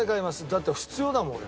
だって必要だもん